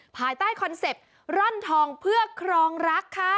ภายใต้คอนเซ็ปต์ร่อนทองเพื่อครองรักค่ะ